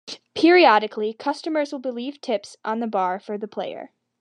Periodically, customers will leave tips on the bar for the player.